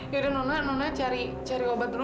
yaudah nona nona cari obat dulu